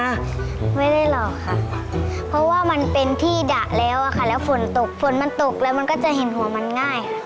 ไม่ได้หลอกค่ะเพราะว่ามันเป็นที่ดะแล้วอะค่ะแล้วฝนตกฝนมันตกแล้วมันก็จะเห็นหัวมันง่ายค่ะ